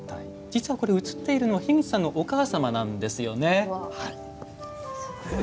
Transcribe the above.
実はこれ、映っているのは樋口さんのお母様なんですよね。